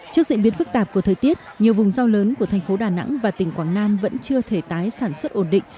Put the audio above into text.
trước diễn biến phức tạp của thời tiết nhiều vùng rau lớn của thành phố đà nẵng và tỉnh quảng nam vẫn chưa thể tái sản xuất ổn định